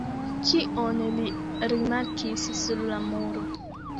Kion li rimarkis sur la muro?